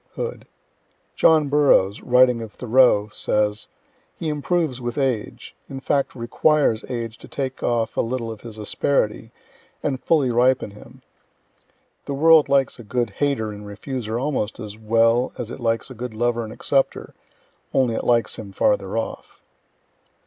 Hood. John Burroughs, writing of Thoreau, says: "He improves with age in fact requires age to take off a little of his asperity, and fully ripen him. The world likes a good hater and refuser almost as well as it likes a good lover and accepter only it likes him farther off."